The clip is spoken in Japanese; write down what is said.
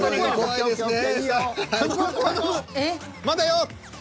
まだよ！